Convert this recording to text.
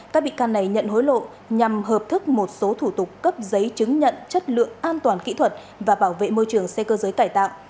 các bị can này nhận hối lộ nhằm hợp thức một số thủ tục cấp giấy chứng nhận chất lượng an toàn kỹ thuật và bảo vệ môi trường xe cơ giới cải tạo